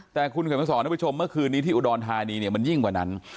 แต่คุณเขียนมาสอนทุกผู้ชมเมื่อคืนนี้ที่อุดรธานีเนี่ยมันยิ่งกว่านั้น